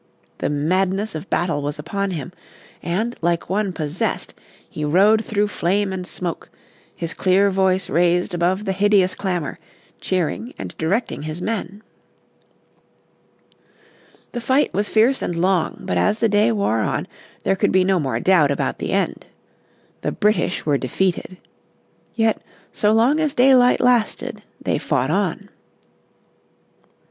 The madness of battle was upon him, and, like one possessed, he rode through flame and smoke, his clear voice raised above the hideous clamour, cheering and directing his men. The fight was fierce and long, but as the day wore on there could be no more doubt about the end. The British were defeated. Yet so long as daylight lasted they fought on.